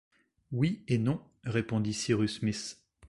Oui et non, répondit Cyrus Smith.